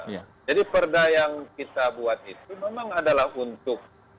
jadi perda yang kita buat itu memang adalah untuk